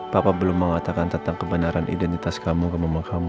papa belum mengatakan tentang kebenaran identitas kamu ke mama kamu